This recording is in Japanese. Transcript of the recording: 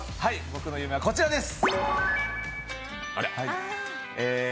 僕の夢はこちらです。